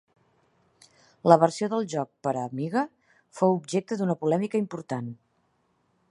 La versió del joc per a Amiga fou objecte d'una polèmica important.